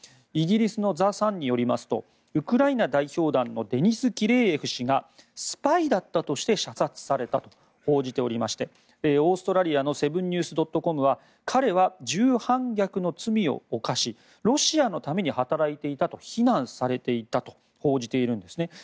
イギリスのザ・サンによりますとウクライナ代表団のデニス・キレーエフ氏がスパイだったとして射殺されたと報じておりましてオーストラリアの７ニュース・ドット・コムは彼は重反逆の罪を犯しロシアのために働いていたと非難されていたと報じているんですね。